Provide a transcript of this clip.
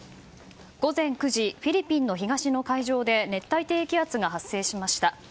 午前９時フィリピンの東の海上で熱帯低気圧が発生しました。